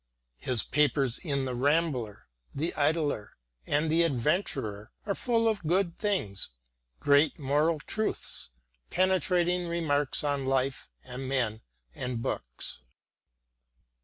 His papers in the Rambler, the Idler, and the Adventurer are full of good things, great moral truths, penetrating remarks on life and men and books.